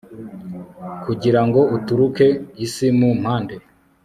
kugira ngo uturuke isi mu mpande